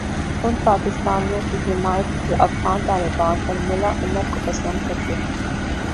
ان پاکستانیوں کی حمایت جوافغان طالبان اور ملا عمر کو پسند کرتے ہیں۔